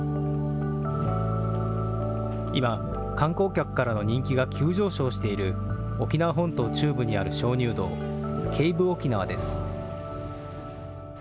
今、観光客からの人気が急上昇している、沖縄本島中部にある鍾乳洞、ＣＡＶＥＯＫＩＮＡＷＡです。